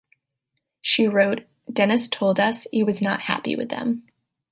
She wrote: Denis told us he was not 'happy' with them.